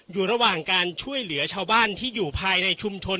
อยู่ระหว่างการช่วยเหลือชาวบ้านที่อยู่ภายในชุมชน